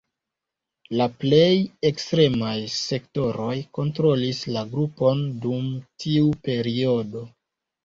La plej ekstremaj sektoroj kontrolis la grupon dum tiu periodo.